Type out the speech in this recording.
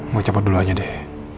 gua cepet dulu aja deh